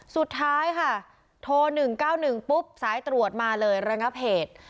สุดท้ายค่ะโทร๑๙๑ปุ๊บสายตรวจมาเลยระงับเหตุ